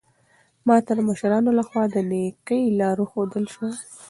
ما ته د مشرانو لخوا د نېکۍ لار وښودل شوه.